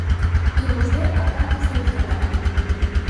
Imos ver a cantos imos tratar.